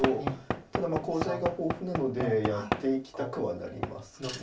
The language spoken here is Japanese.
ただコウ材が豊富なのでやっていきたくはなりますか。